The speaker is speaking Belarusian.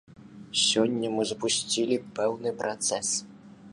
Сёння мы запусцілі пэўны працэс.